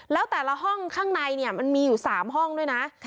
แล้วแต่ละห้องข้างในมันมีอยู่๓ห้องด้วยนะ